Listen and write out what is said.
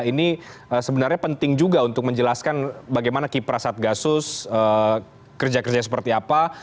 ini sebenarnya penting juga untuk menjelaskan bagaimana kipra satgasus kerja kerja seperti apa